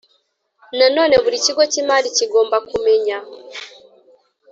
Nanone buri kigo cy imari kigomba kumenya